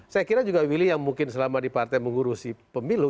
saya kira juga willy yang mungkin selama di partai mengurusi pemilu